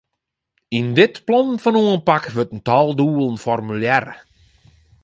Yn dit plan fan oanpak wurdt in tal doelen formulearre.